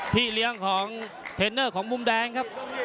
พี่เลี้ยงของเทรนเนอร์ของมุมแดงครับ